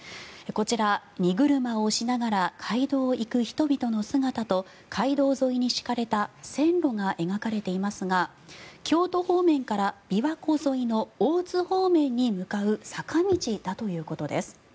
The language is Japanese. こちら、荷車を押しながら街道を行く人々の姿と街道沿いに敷かれた線路が描かれていますが京都方面から琵琶湖沿いの大津方面に向かう坂道だということです。